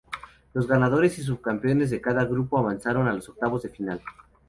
Los ganadores y subcampeones de cada grupo avanzaron a los octavos de final.